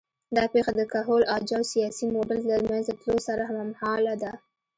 دا پېښه د کهول اجاو سیاسي موډل له منځه تلو سره هممهاله ده